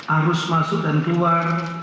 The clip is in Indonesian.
arus masuk dan keluar